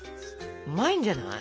うまいんじゃない？